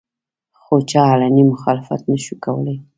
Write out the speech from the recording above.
خو چا علني مخالفت نشو کولې